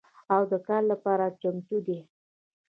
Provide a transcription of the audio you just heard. او د کار لپاره چمتو دي